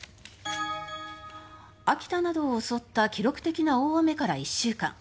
秋田などを襲った記録的な大雨から１週間。